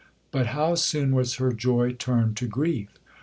But how soon was her joy turned to grief!